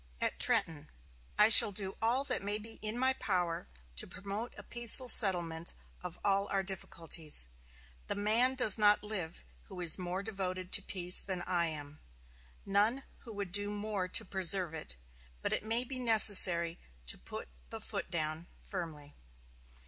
At Trenton: "I shall do all that may be in my power to promote a peaceful settlement of all our difficulties. The man does not live who is more devoted to peace than I am, none who would do more to preserve it, but it may be necessary to put the foot down firmly."